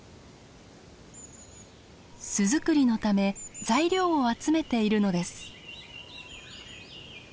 巣作りのため材料を集めているのです。